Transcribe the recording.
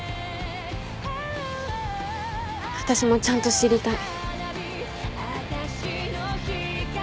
私もちゃんと知りたい。